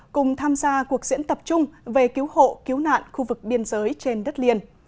cùng tham gia cuộc diễn tập chung về cứu hộ cứu nạn khu vực biên giới trên đất liền